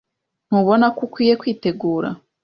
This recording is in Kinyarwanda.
Ntubona ko ukwiye kwitegura?